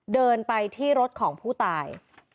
เดินไปที่รถของผู้ตาย